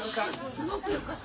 すごくよかった。